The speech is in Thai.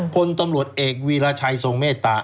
พลตำรวจเอกวีรชัยทรงเมตตา